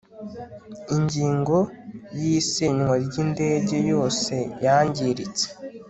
Ingingo ya Isenywa ry indege yose yangiritse